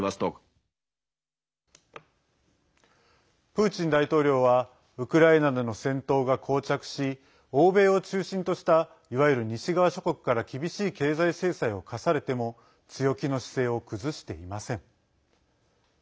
プーチン大統領はウクライナでの戦闘がこう着し欧米を中心としたいわゆる西側諸国から厳しい経済制裁を科されても強気の姿勢を崩していません。